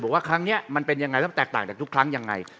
ว่าครั้งนี้มันเป็นยังไงแล้วมันแตกต่างจากทุกครั้งยังไง